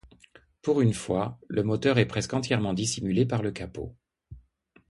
Pour une fois, le moteur est presque entièrement dissimulé par le capot.